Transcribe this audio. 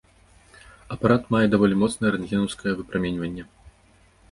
Апарат мае даволі моцнае рэнтгенаўскае выпраменьванне.